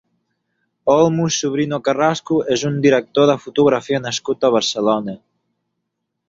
Olmo Sobrino Carrasco és un director de fotografia nascut a Barcelona.